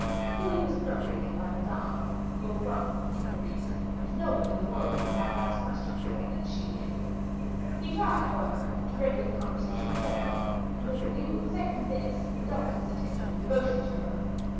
Louis was appropriated by Madame, who overwhelmed him with inquiries, and no one in the world knew how to ask questions better than she did. He tried, however, to render the conversation general, and, with the view of effecting this, he redoubled his attention and devotion to her.